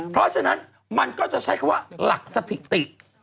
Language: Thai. เพราะฉะนั้นมันก็จะใช้คำว่าหลักสถิติ